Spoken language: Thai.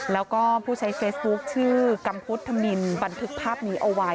แล้วก็ผู้ใช้เฟซบุ๊คชื่อกัมพุทธมินบันทึกภาพนี้เอาไว้